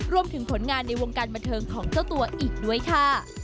ผลงานในวงการบันเทิงของเจ้าตัวอีกด้วยค่ะ